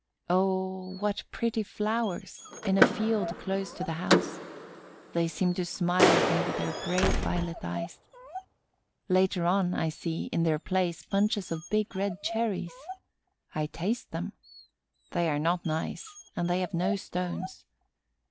Oh, what pretty flowers, in a field close to the house! They seem to smile at me with their great violet eyes. Later on, I see, in their place, bunches of big red cherries. I taste them. They are not nice and they have no stones.